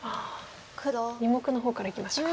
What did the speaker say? ２目の方からいきましたか。